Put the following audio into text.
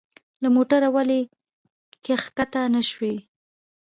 له موټره ولي کښته نه شو؟